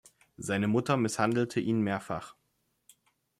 Seine Mutter misshandelte ihn mehrfach.